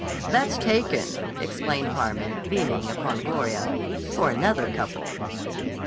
"That's taken," explained Harmon, beaming upon Gloria, "for another couple."